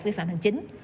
vi phạm hành chính